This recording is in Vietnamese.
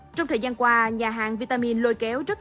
trong thời gian qua nhà hàng vitamin lôi kéo rất nhiều